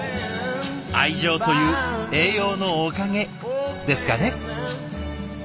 愛情という栄養のおかげですかね。